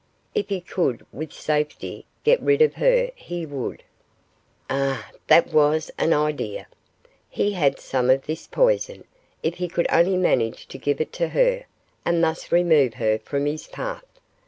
If he could with safety get rid of her he would. Ah! that was an idea. He had some of this poison if he could only manage to give it to her, and thus remove her from his path.